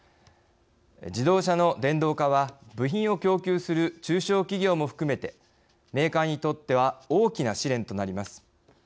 自動車の電動化は部品を供給する中小企業も含めてメーカーにとっては大きな試練となります。